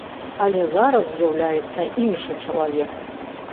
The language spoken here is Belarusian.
Але зараз з'яўляецца іншы чалавек.